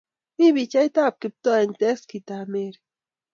Mi pichait ab Kiptoo eng Teskit ab Mary